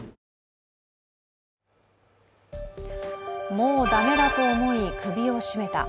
もう駄目だと思い、首を絞めた。